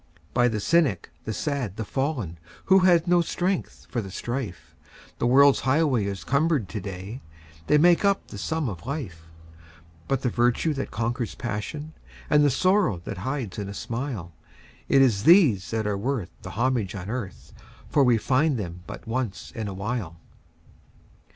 By the cynic, the sad, the fallen, Who had no strength for the strife, The world's highway is cumbered to day They make up the sum of life; But the virtue that conquers passion, And the sorrow that hides in a smile It is these that are worth the homage on earth, For we find them but once in a while.